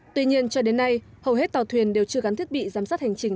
tuy nhiên cho đến nay hầu hết tàu thuyền đều chưa gắn thiết bị giám sát hành trình